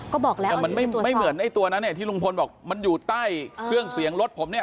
ก็บอกแล้วแต่มันไม่เหมือนไอ้ตัวนั้นเนี่ยที่ลุงพลบอกมันอยู่ใต้เครื่องเสียงรถผมเนี่ย